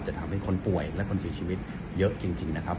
จะทำให้คนป่วยและคนเสียชีวิตเยอะจริงนะครับ